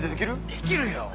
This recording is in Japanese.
できるよ。